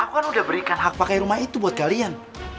aku kan udah berikan hak pakai rumah itu buat kalian